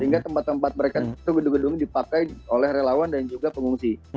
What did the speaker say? hingga tempat tempat mereka itu gedung gedung dipakai oleh relawan dan juga pengungsi